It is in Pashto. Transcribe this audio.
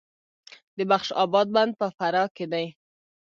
د بخش اباد بند په فراه کې دی